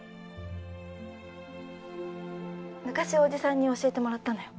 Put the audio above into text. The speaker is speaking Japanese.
昔おじさんに教えてもらったのよ。